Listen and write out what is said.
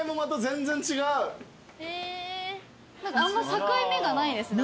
あんま境目がないですね